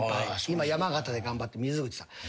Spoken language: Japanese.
今山形で頑張って水口さん。